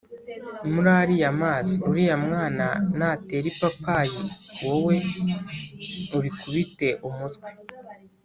muri ariya mazi, uriya mwana natera ipapayi, wowe urikubite umutwe